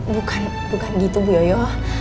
bukan bukan gitu bu yoyo